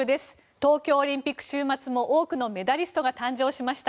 東京オリンピック週末も多くのメダリストが誕生しました。